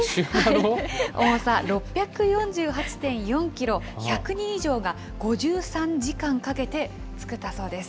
重さ６４８．４キロ、１００人以上が、５３時間かけて作ったそうです。